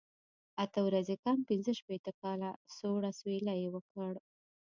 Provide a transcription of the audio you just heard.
اته ورځې کم پنځه شپېته کاله، سوړ اسویلی یې وکړ.